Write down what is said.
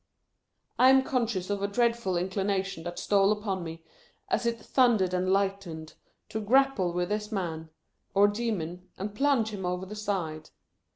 I am conscious of a dreadful inclination that stole upon me, as it thundered and lightened, to grapple with this man, or demon, and plunge him over the side.